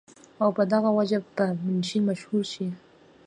او پۀ دغه وجه پۀ منشي مشهور شو ۔